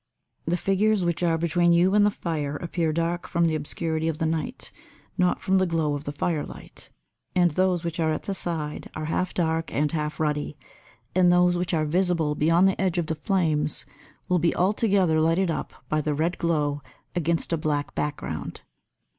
The figures which are between you and the fire appear dark from the obscurity of the night, not from the glow of the firelight, and those which are at the side are half dark and half ruddy, and those which are visible beyond the edge of the flames will be altogether lighted up by the red glow against a black background.